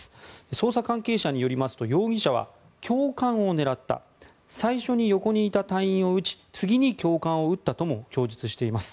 捜査関係者によりますと容疑者は教官を狙った最初に横にいた隊員を撃ち次に教官を撃ったとも供述しています。